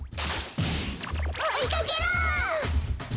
おいかけろ！